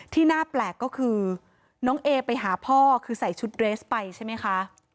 ที่น่าแปลกก็คือน้องเอไปหาพ่อคือใส่ชุดเรสไปใช่ไหมคะ